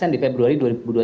di februari dua ribu dua puluh